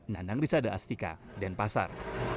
nandang risada astika dan pasar